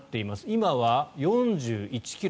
今は４１ｋｍ。